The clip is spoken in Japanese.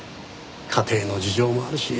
家庭の事情もあるし。